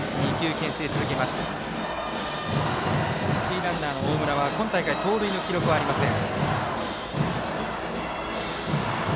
一塁ランナー、大村は今大会、盗塁の記録はありません。